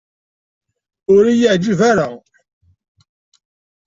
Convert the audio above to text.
Ur iyi-yeɛjib ara.